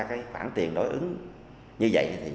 cái bản tiền đối ứng như vậy